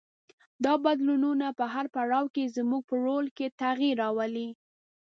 دا بدلونونه په هر پړاو کې زموږ په رول کې تغیر راولي.